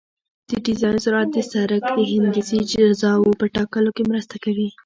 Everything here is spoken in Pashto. د ډیزاین سرعت د سرک د هندسي اجزاوو په ټاکلو کې مرسته کوي